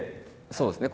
そうですね